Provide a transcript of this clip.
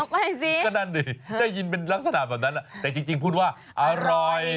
ไม่สิก็นั่นดิได้ยินเป็นลักษณะแบบนั้นแต่จริงพูดว่าอร่อย